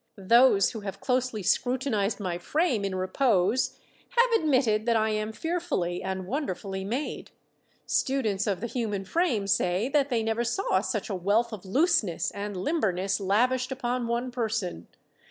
Those who have closely scrutinized my frame in repose have admitted that I am fearfully and wonderfully made. Students of the human frame say that they never saw such a wealth of looseness and limberness lavished upon one person.